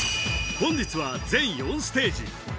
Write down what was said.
本日は全４ステージ